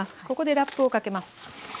ここでラップをかけます。